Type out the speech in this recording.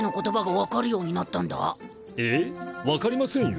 分かりませんよ。